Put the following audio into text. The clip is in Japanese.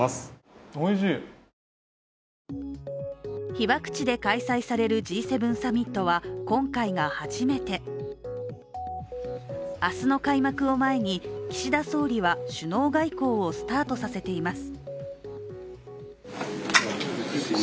被爆地で開催されるＧ７サミットは今回が初めて明日の開幕を前に、岸田総理は首脳外交をスタートさせています。